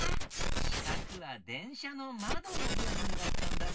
しかくはでんしゃのまどのぶぶんだったんだね！